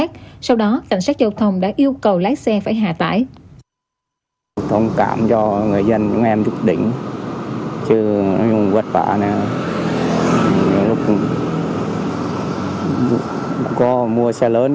trong hơn một năm vừa qua